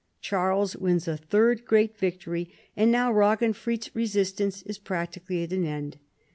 Charles wins a third great victorv, and now Raginfrid's resistance is practically at an end.